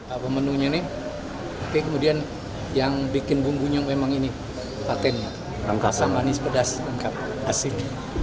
apa menunya ini kemudian yang bikin bumbunya memang ini patin asam manis pedas lengkap asin